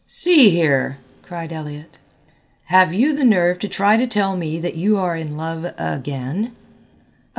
"See here," cried Elliott, "have you the nerve to try to tell me that you are in love again?"